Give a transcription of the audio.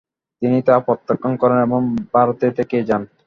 তিনি তা প্রত্যাখ্যান করেন এবং ভারতেই থেকে যান।